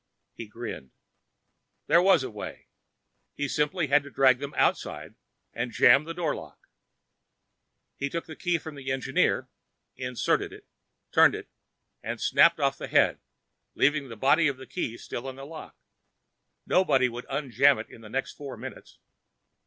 He grinned. There was a way. He simply had to drag them outside and jam the door lock. He took the key from the Engineer, inserted it, turned it, and snapped off the head, leaving the body of the key still in the lock. Nobody would unjam it in the next four minutes.